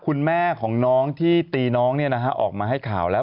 คุณแม่ของน้องที่ตีน้องออกมาให้ข่าวแล้ว